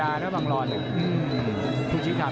กระหน่าที่น้ำเงินก็มีเสียเอ็นจากอุบลนะครับ